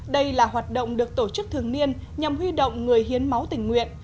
đây là hoạt động được tổ chức thường niên nhằm huy động người hiến máu tình nguyện